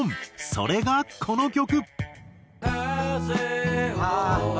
それがこの曲。